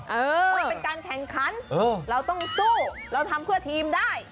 มันเป็นการแข่งขันเราต้องสู้เราทำเพื่อทีมได้